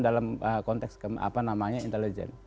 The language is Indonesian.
dalam konteks apa namanya intelijen